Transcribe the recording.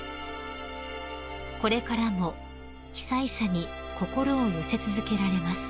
［これからも被災者に心を寄せ続けられます］